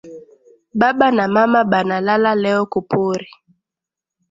Baba na mama bana lala leo ku pori